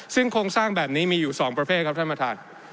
ซึ่งโครงสร้างแบบนี้มีอยู่๒ประเภทครับท่านประธาน